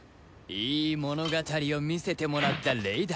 いい物語を見せてもらった礼だ。